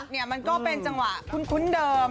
เนี่ยมันก็เป็นจังหวะคุ้นเดิม